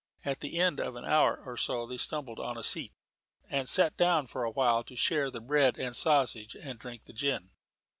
At the end of an hour or so they stumbled on a seat, and sat down for awhile to share the bread and sausage, and drink the gin.